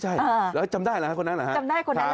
ใช่แล้วจำได้หรือคะคนนั้นหรือคะ